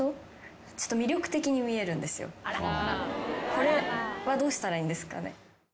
これはどうしたらいいんですかね。